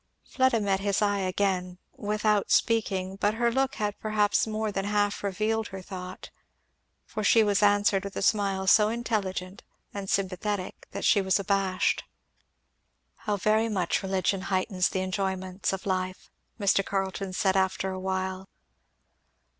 Fleda met his eye again, without speaking; but her look had perhaps more than half revealed her thought, for she was answered with a smile so intelligent and sympathetic that she was abashed. "How very much religion heightens the enjoyments of life," Mr. Carleton said after a while.